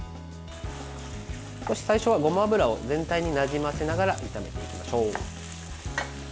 最初はごま油を全体になじませながら炒めていきましょう。